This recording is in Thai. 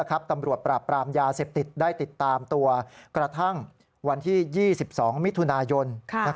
ตำรวจปราบปรามยาเสพติดได้ติดตามตัวกระทั่งวันที่๒๒มิถุนายน